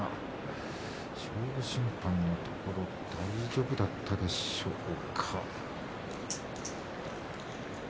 勝負審判のところ大丈夫だったでしょうか。